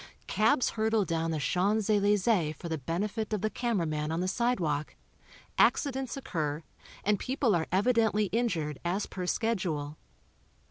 Cabs hurtle down the Champs Elysee for the benefit of the camera man on the sidewalk, accidents occur and people are evidently injured as per schedule.